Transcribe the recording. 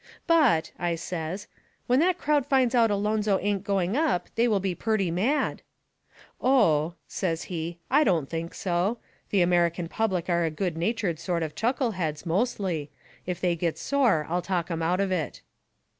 "But," I says, "when that crowd finds out Alonzo ain't going up they will be purty mad." "Oh," says he, "I don't think so. The American public are a good natured set of chuckle heads, mostly. If they get sore I'll talk 'em out of it."